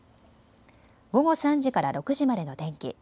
午後３時から６時までの天気。